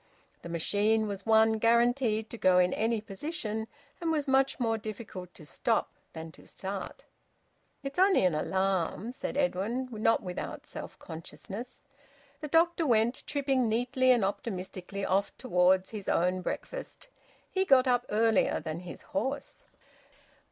The machine was one guaranteed to go in any position, and was much more difficult to stop than to start. "It's only an alarm," said Edwin, not without self consciousness. The doctor went, tripping neatly and optimistically, off towards his own breakfast. He got up earlier than his horse.